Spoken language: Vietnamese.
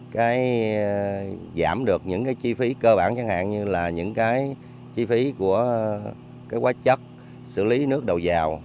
nó giảm được những chi phí cơ bản chẳng hạn như là những chi phí của quá chất xử lý nước đầu dào